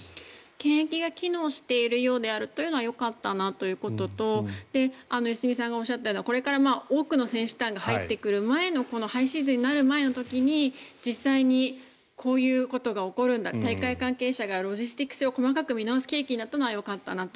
検疫が機能しているというのはよかったなということと良純さんがおっしゃったようなこれから多くの選手団が入ってくる前のハイシーズンになる前の時に実際にこういうことが起こるんだ大会関係者がロジスティクスを細かく見直す契機になったのはよかったと。